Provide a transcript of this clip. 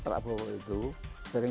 pak prabowo itu sering